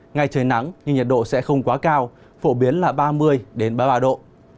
ngày trời nắng nhưng nhiệt độ sẽ không quá cao phổ biến là ba mươi ba mươi ba độ